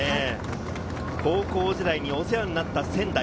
高校時代にお世話になった仙台。